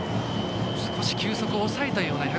少し球速を抑えたような。